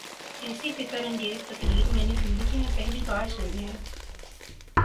ایسی فکر انگیز تقریر میں نے زندگی میں پہلی بار سنی ہے۔